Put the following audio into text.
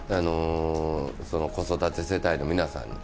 子育て世帯の皆さんに。